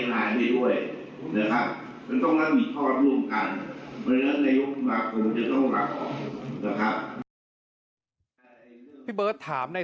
เพราะคุณก็บอกไปเราว่า